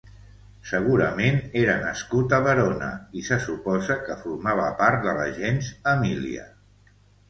Segurament era nascut a Verona i se suposa que formava part de la gens Emília.